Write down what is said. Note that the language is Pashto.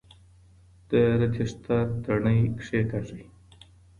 د رجسټر تڼۍ کیکاږئ.